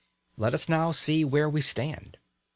Let us now see where we stand.